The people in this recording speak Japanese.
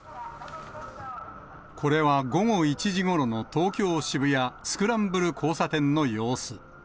これは午後１時ごろの東京・渋谷、スクランブル交差点の様子。